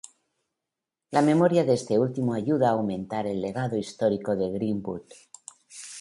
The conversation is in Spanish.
La memoria de este último ayuda a aumentar el legado histórico de Greenwood.